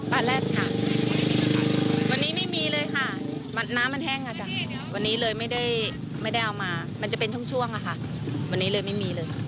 แรกค่ะวันนี้ไม่มีเลยค่ะน้ำมันแห้งอ่ะจ้ะวันนี้เลยไม่ได้เอามามันจะเป็นช่วงอะค่ะวันนี้เลยไม่มีเลย